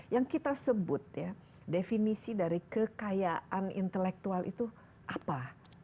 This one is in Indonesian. yang kita sebut ya definisi dari kekayaan intelektual itu apa